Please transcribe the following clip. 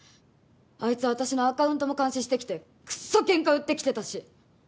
あいつ私のアカウントも監視してきてクッソケンカ売ってきてたし。